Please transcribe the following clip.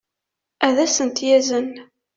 ad as-ten-yazen